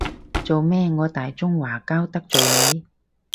做咩，我大中華膠得罪你？